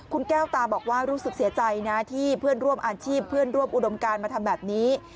คุณแก้วตาบอกว่ารู้สึกเสียใจนะที่เพื่อนร่วมอาชีพเพื่อนร่วมอุดมการมาทำแบบนี้